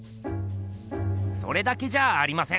それだけじゃありません！